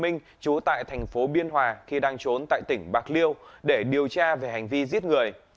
minh trú tại thành phố biên hòa khi đang trốn tại tỉnh bạc liêu để điều tra về hành vi giết người